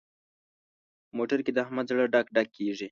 په موټر کې د احمد زړه ډک ډک کېږي.